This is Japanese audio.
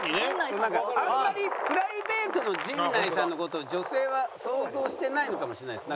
そうなんかあんまりプライベートの陣内さんの事を女性は想像してないのかもしれないです。